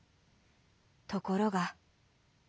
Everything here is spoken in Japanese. ところが。